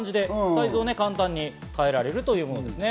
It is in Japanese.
サイズを簡単に変えられるものです。